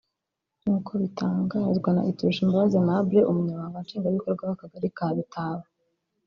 nk’uko bitangazwa na Iturushimbabazi Aimable umunyamabanga Nshingwabikorwa w’Akagari ka Bitaba